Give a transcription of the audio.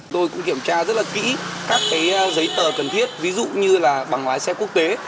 tôi cũng kiểm tra rất là kỹ các giấy tờ cần thiết ví dụ như là bằng lái xe quốc tế